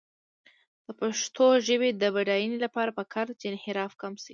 د پښتو ژبې د بډاینې لپاره پکار ده چې انحراف کم شي.